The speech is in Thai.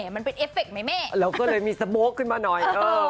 มันเป็นเอฟเฟคไหมแม่เราก็เลยมีสโบ๊คขึ้นมาหน่อย